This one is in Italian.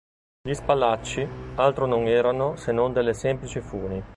Gli spallacci altro non erano se non delle semplici funi.